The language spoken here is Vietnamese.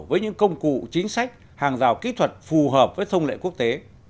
với những công cụ chính sách hàng rào kỹ thuật phù hợp với thông lệ quốc tế